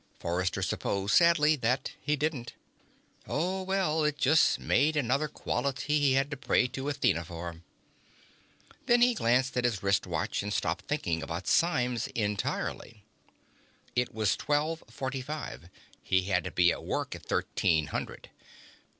Forrester supposed sadly that he didn't. Oh, well, it just made another quality he had to pray to Athena for. Then he glanced at his wristwatch and stopped thinking about Symes entirely. It was twelve forty five. He had to be at work at thirteen hundred.